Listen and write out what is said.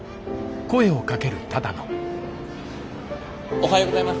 おはようございます。